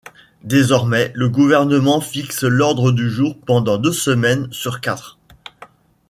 Désormais, le Gouvernement fixe l'ordre du jour pendant deux semaines sur quatre.